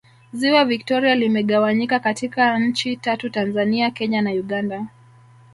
ziwa victoria limegawanyika katika nchi tatu tanzania kenya na uganda